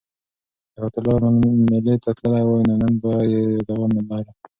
که حیات الله مېلې ته تللی وای نو نن به یې یادونه لرل.